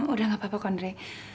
udah gak apa apa kondre